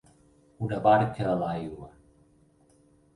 Una barca a l'aigua.